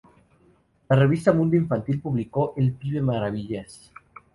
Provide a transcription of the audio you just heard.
En la revista Mundo Infantil publicó "El Pibe Maravillas".